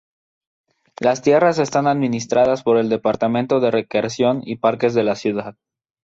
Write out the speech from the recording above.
Las tierras están administradas por el Departamento de Recreación y Parques de la Ciudad.